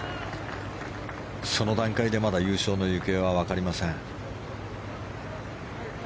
その段階でまだ優勝の行方はわかりません。